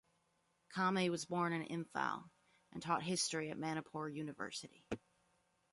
Kamei was born in Imphal, and taught history at Manipur University.